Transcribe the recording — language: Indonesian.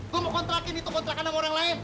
gue mau kontrakin itu kontrakan sama orang lain